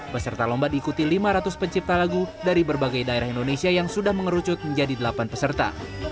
peserta lomba diikuti lima ratus pencipta lagu dari berbagai daerah indonesia yang sudah mengerucut menjadi delapan peserta